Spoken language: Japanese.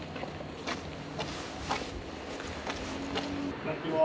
こんにちは。